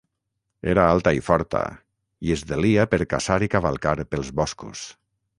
Era alta i forta, i es delia per caçar i cavalcar pels boscos.